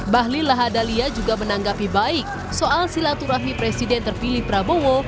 bahlil lahadalia juga menanggapi baik soal silaturahmi presiden terpilih prabowo